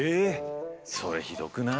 それひどくない？